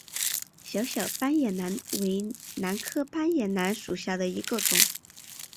小小斑叶兰为兰科斑叶兰属下的一个种。